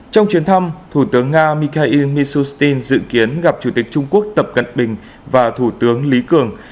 trong chuyến thăm thủ tướng nga mikhail mishustin dự kiến gặp chủ tịch trung quốc tập cận bình và thủ tướng lý cường